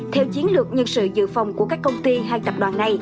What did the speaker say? theo chiến lược nhân sự dự phòng của các công ty hay tập đoàn này